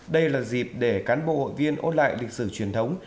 đây là dịp để cán bộ hội viên ôn lại lịch sử truyền thống